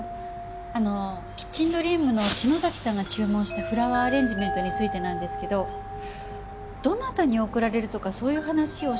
あのキッチンドリームの篠崎さんが注文したフラワーアレンジメントについてなんですけどどなたに贈られるとかそういう話おっしゃってませんでした？